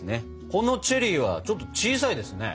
このチェリーはちょっと小さいですね。